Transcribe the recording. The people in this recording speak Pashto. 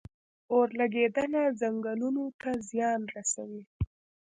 اورلګیدنه ځنګلونو ته څه زیان رسوي؟